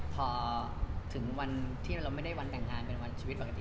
พอถึงวันที่เราไม่ได้วันแต่งงานเป็นวันชีวิตปกติ